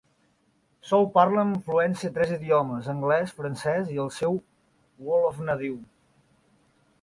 Sow parla amb fluència tres idiomes, anglès, francès i el seu wolof nadiu.